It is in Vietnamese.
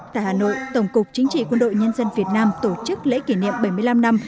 tại hà nội tổng cục chính trị quân đội nhân dân việt nam tổ chức lễ kỷ niệm bảy mươi năm năm